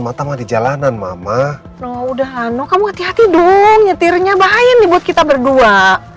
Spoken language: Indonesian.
matamu ada jalanan mama udah kamu hati hati dong nyetirnya bahaya nih buat kita berdua